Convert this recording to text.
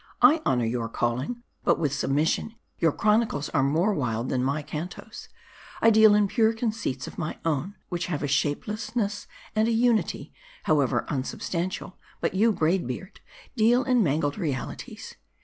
I honor your calling ; but, with submis sion, your chronicles are more wild than my cantos. I deal in pure conceits of my own ; which have a shapeliness and a unity, however unsubstantial ; but you, Braid Beard, deal in mangled realities.